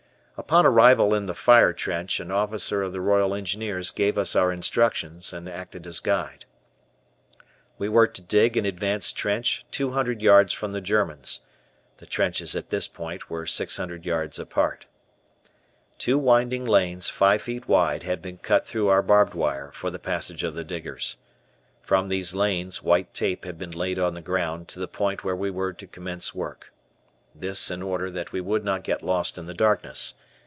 Upon arrival in the fire trench an officer of the Royal Engineers gave us our instructions and acted as guide. We were to dig an advanced trench two hundred yards from the Germans (the trenches at this point were six hundred yards apart). Two winding lanes, five feet wide, had been cut through our barbed wire, for the passage of the diggers. From these lanes white tape had been laid on the ground to the point where we were to commence work. This in order that we would not get lost in the darkness.